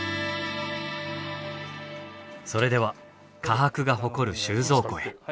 それでは科博が誇る収蔵庫へ。